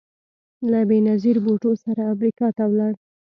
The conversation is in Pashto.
له بېنظیر بوټو سره امریکا ته ولاړ